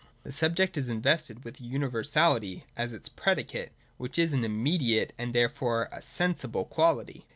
The subject is invested with a univer sality as its predicate, which is an immediate, and therefore a sensible quality.